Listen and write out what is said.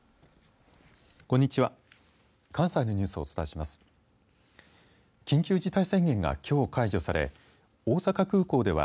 こんにちは。